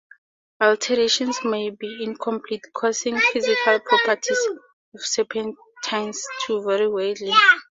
Alterations may be incomplete, causing physical properties of serpentines to vary widely.